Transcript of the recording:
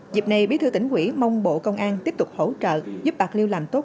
dịp này bí thư tỉnh quỹ mong bộ công an tiếp tục hỗ trợ giúp bạc liêu làm tốt